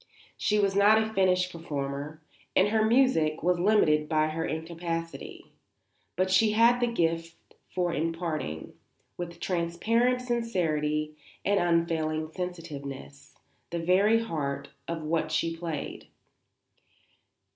She was not a finished performer and her music was limited by her incapacity; but she had the gift for imparting, with transparent sincerity and unfailing sensitiveness, the very heart of what she played.